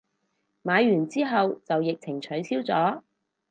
買完之後就疫情取消咗